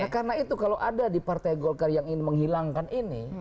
karena itu kalau ada di partai golkar yang menghilangkan ini